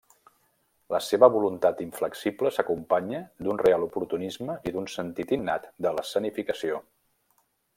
La seva voluntat inflexible s'acompanya d'un real oportunisme i d'un sentit innat de l'escenificació.